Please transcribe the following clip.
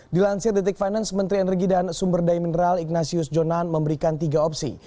dilansir detik finance menteri energi dan sumber daya mineral ignatius jonan memberikan tiga opsi